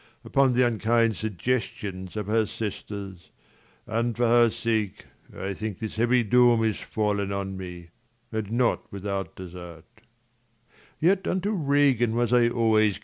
Upon th' unkind suggestions of her sisters : And for her sake, I think this heavy doom Is fallen on me, and not without desert : ^Yet unto Raganjwas I always